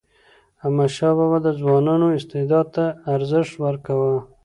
احمدشاه بابا د ځوانانو استعداد ته ارزښت ورکاوه.